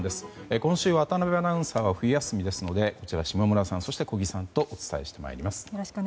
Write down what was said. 今週、渡辺アナウンサーは冬休みですので下村さん、そして小木さんとお伝えしてまいります。